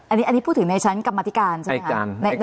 อันนี้พูดถึงกรรมติการใช่มั้ยค่ะ